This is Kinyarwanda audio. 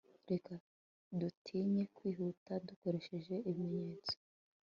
Reka dutinye kwihuta dukoresheje ibimenyetso